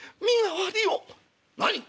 「何！